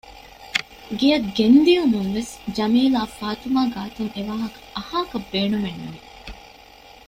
ގެއަށް ގެންދިޔުމުންވެސް ޖަމީލާ ފާތިމާ ގާތުން އެވާހަކަ އަހާކަށް ބޭނުމެއް ނުވި